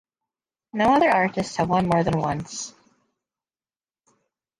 No other artists have won more than once.